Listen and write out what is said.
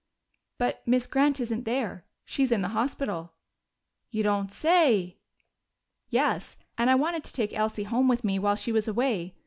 "But Miss Grant isn't there she's in the hospital." "You don't say!" "Yes, and I wanted to take Elsie home with me while she was away.